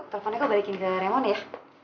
teleponnya gue balikin ke raymond ya